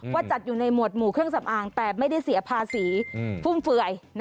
จัดอยู่ในหวดหมู่เครื่องสำอางแต่ไม่ได้เสียภาษีฟุ่มเฟื่อย